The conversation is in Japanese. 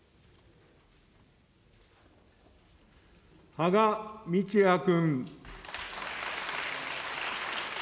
芳賀道也君。